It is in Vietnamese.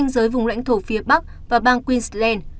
dưới vùng lãnh thổ phía bắc và bang queensland